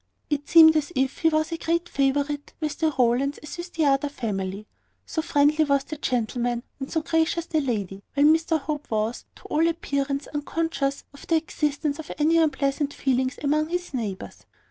It seemed as if he was as great a favourite with the Rowlands as with the other family; so friendly was the gentleman, and so gracious the lady; while Mr Hope was, to all appearance, unconscious of the existence of any unpleasant feelings among his neighbours.